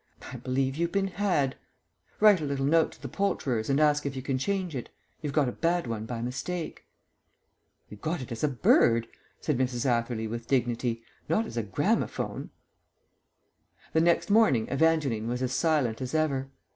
I believe you've been had. Write a little note to the poulterers and ask if you can change it. You've got a bad one by mistake." "We got it as a bird," said Mrs. Atherley with dignity, "not as a gramophone." The next morning Evangeline was as silent as ever.